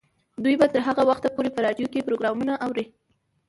دوی به تر هغه وخته پورې په راډیو کې پروګرامونه اوري.